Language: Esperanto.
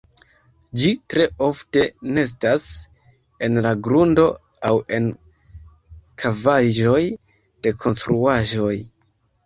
Ĝi tre ofte nestas en la grundo aŭ en kavaĵoj de konstruaĵoj.